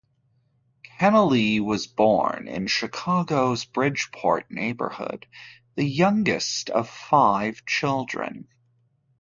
Kennelly was born in Chicago's Bridgeport neighborhood, the youngest of five children.